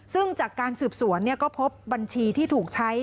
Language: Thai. ซึ่งจากการสืบสวนก็พบบัญชีที่ถูกใช้